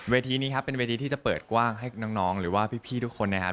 นี้ครับเป็นเวทีที่จะเปิดกว้างให้น้องหรือว่าพี่ทุกคนนะครับ